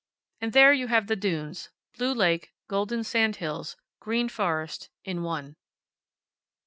And there you have the dunes blue lake, golden sand hills, green forest, in one.